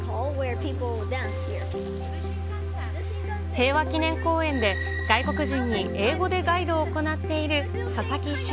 平和記念公園で外国人に英語でガイドを行っている、佐々木駿